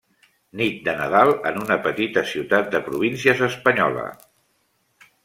Nit de Nadal en una petita ciutat de províncies espanyola.